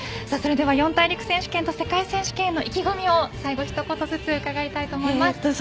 それでは四大陸選手権と世界選手権への意気込みを最後、ひと言ずつ伺いたいと思います。